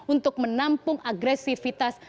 untuk menampung agresifitas